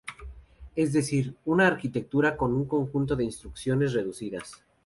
Es decir, una arquitectura con un conjunto de instrucciones reducidas.